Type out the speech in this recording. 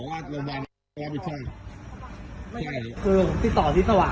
ไม่ต้องกำลังถ่ายว่ะ